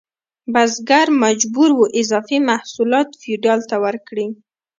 بزګر مجبور و اضافي محصولات فیوډال ته ورکړي.